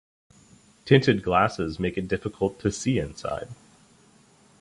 Tinted glasses make it difficult to see inside.